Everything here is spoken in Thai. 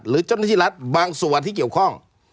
หรือเจ้าหน้าที่รัฐบางส่วนที่เกี่ยวข้อง